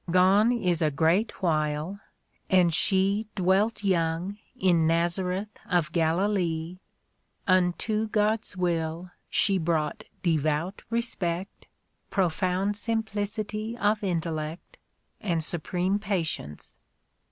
Gone is a great while, and she Dwelt young in Nazareth of Galilee, Unto God's will she brought devout respect. Profound simplicity of intellect. And supreme patience.